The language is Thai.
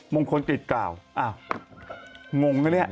มงคลกิจกล่าวอ้าวงงไหมเนี่ย